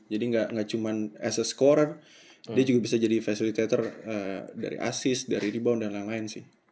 jadi gak cuman as a scorer dia juga bisa jadi facilitator dari assist dari rebound dan lain lain sih